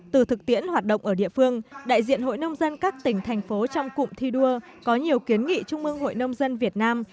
từ thực tiễn hoạt động ở địa phương đại diện hội nông dân các tỉnh thành phố trong cụm thi đua có nhiều kiến nghị trung mương hội nông dân việt nam